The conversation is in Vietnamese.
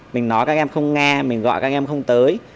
mình nói các em không nghe mình gọi các em không tới